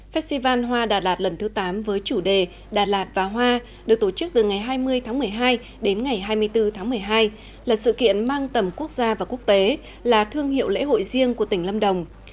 festival hoa đà lạt lần thứ tám với chủ đề đà lạt và hoa được tổ chức từ ngày hai mươi tháng một mươi hai đến ngày hai mươi bốn tháng một mươi hai là sự kiện mang tầm quốc gia và quốc tế là thương hiệu lễ hội riêng của tỉnh lâm đồng